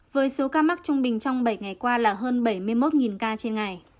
với số ca mắc trung bình trong bảy ngày qua là hơn bảy mươi một ca trên ngày